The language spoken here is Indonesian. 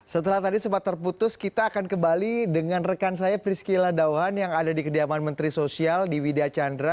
setelah tadi sempat terputus kita akan kembali dengan rekan saya priscila dauhan yang ada di kediaman menteri sosial di widya chandra